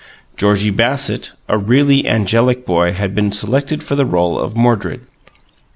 Georgie Bassett, a really angelic boy, had been selected for the role of Mordred.